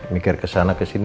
mikir kesana kesini